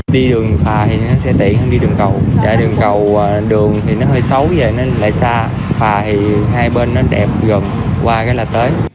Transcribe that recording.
đi đường phà thì nó sẽ tiện hơn đi đường cầu đi đường cầu đường thì nó hơi xấu vậy nên lại xa phà thì hai bên nó đẹp gần qua cái là tới